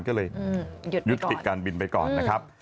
ก็เลยยุติการบินไปก่อนนะครับ